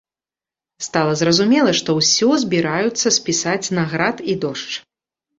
Стала зразумела, што ўсё збіраюцца спісаць на град і дождж.